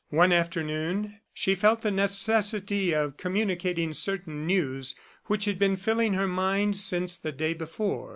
One afternoon, she felt the necessity of communicating certain news which had been filling her mind since the day before.